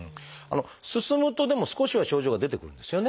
進むとでも少しは症状が出てくるんですよね。